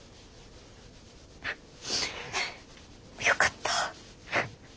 よかった。